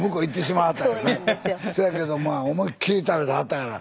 そやけど思いっきり食べてはったから。